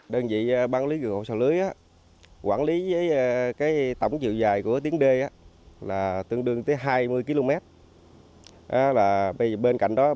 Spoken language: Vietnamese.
đơn vị bán lý vùng hộ sạt lưới quản lý với tổng chiều dài của tiếng đê tương đương tới hai mươi km bên cạnh đó